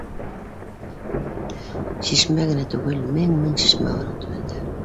— Шишмә генә түгел, мең-мең шишмә уның төбөндә